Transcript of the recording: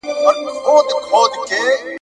که شک وي روغتیايي مرکز ته لاړ شئ.